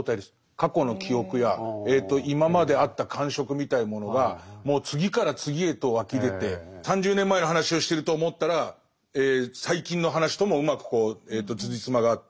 過去の記憶や今まであった感触みたいなものがもう次から次へと湧き出て３０年前の話をしてると思ったら最近の話ともうまくつじつまがあって